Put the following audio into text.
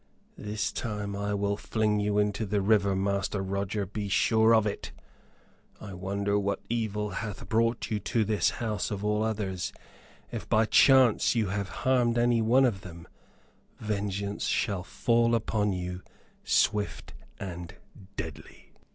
"This time I will fling you into the river, Master Roger be sure of it. I wonder what evil hath brought you to this house of all others! If by chance you have harmed any one of them vengeance shall fall upon you swift and deadly."